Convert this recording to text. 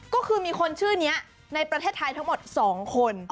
ก็คือมีคนชื่อนี้ในประเทศไทยทั้งหมด๒คน